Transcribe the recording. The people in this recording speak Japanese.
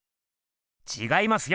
ちがいますよ！